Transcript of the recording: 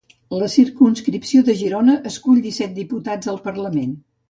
La circumscripció de Girona escull disset diputats al Parlament.